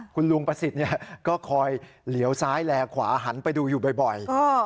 คุณลุงประสิทธิ์ก็คอยเหลียวซ้ายแลขวาหันไปดูอยู่บ่อย